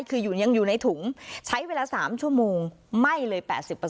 คือยังอยู่ในถุงใช้เวลา๓ชั่วโมงไหม้เลย๘๐